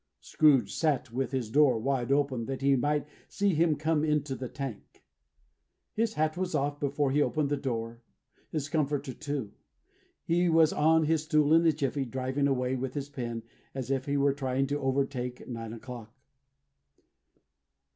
Scrooge sat with his door wide open, that he might see him come into the tank. His hat was off, before he opened the door; his comforter too. He was on his stool in a jiffy; driving away with his pen, as if he were trying to overtake nine o'clock.